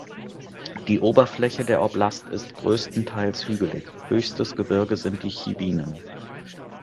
Die Oberfläche der Oblast ist größtenteils hügelig, höchstes Gebirge sind die Chibinen.